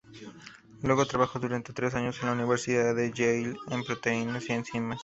Luego trabajó durante tres años en la Universidad de Yale en proteínas y enzimas.